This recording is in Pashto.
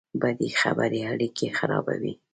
بدې خبرې اړیکې خرابوي